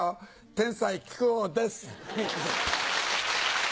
天才木久扇です！